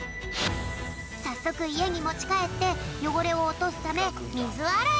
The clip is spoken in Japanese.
さっそくいえにもちかえってよごれをおとすためみずあらい！